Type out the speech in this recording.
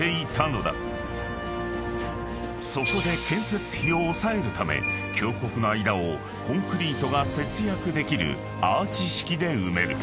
［そこで建設費を抑えるため峡谷の間をコンクリートが節約できるアーチ式で埋める。